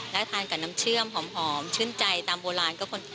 แล้วทานกับน้ำเชื่อมหอมชื่นใจตามโบราณ